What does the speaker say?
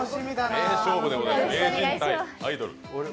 名人×アイドル。